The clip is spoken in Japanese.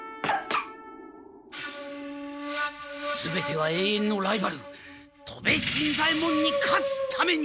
すべては永遠のライバル戸部新左ヱ門に勝つために！